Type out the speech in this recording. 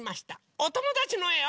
おともだちのえを。